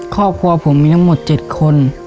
ครอบครัวผมมีทั้งหมด๗คน